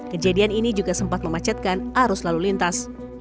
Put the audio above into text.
kejadian ini juga sempat memacetkan arus lalu lintas